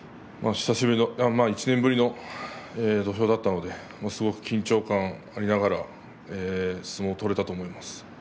１年ぶりの土俵だったのですごく緊張感がありながら相撲を取れたと思います。